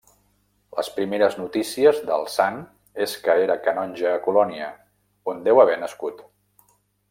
Les primeres notícies del sant és que era canonge a Colònia, on deu haver nascut.